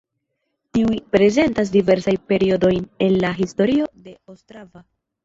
Tiuj prezentis diversajn periodojn el la historio de Ostrava.